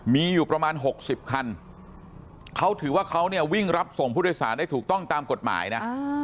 มีอยู่ประมาณ๖๐คันเขาถือว่าเขาเนี่ยวิ่งรับส่งผู้โดยสารได้ถูกต้องตามกฎหมายนะ